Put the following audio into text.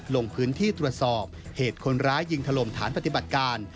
ลงพื้นที่ตรวจสอบเหตุคนร้ายยิงถล่มฐานปฏิบัติการ